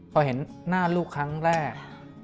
พอเห็นหน้าลูกครั้งแรก